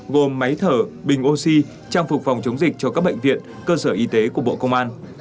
gồm máy thở bình oxy trang phục phòng chống dịch cho các bệnh viện cơ sở y tế của bộ công an